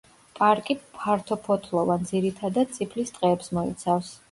პარკი ფართოფოთლოვან, ძირითადად წიფლის ტყეებს მოიცავს.